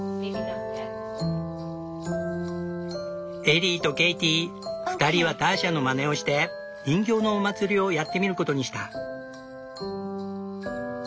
エリーとケイティ２人はターシャのまねをして人形のお祭りをやってみることにした。